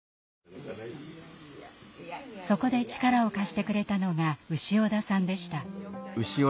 そこで力を貸してくれたのが潮田さんでした。